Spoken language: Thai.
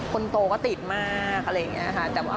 คนโตก็ติดมากอะไรอย่างนี้ค่ะ